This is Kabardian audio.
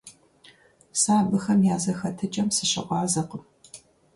Сэ абыхэм я зэхэтыкӀэм сыщыгъуазэкъым.